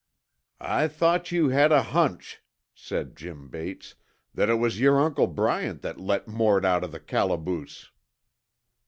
"I thought you had a hunch," said Jim Bates, "that it was yer Uncle Bryant that let Mort out of the calaboose."